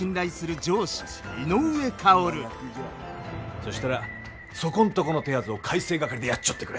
そしたらそこんとこの手はずを改正掛でやっちょってくれ。